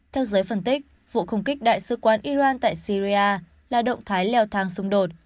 theo giới phân tích vụ không kích đại sứ quán iran tại syria là động thái leo thang xung đột